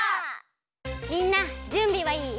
みんなじゅんびはいい？